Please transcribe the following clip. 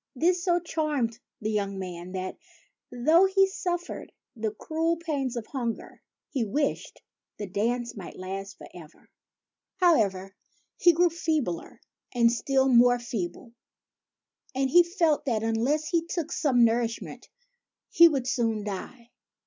This so charmed the young man that, though he suffered the cruel pains of hunger, he wished the dance might last forever. 78 THE FAIRY SPINNING WHEEL However, he grew feebler, and still more feeble ; and he felt that, unless he took some nourishment, he would soon die.